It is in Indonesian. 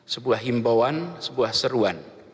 sebuah himbauan sebuah seruan